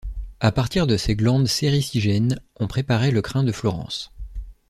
À partir de ces glandes séricigènes, on préparait le crin de Florence.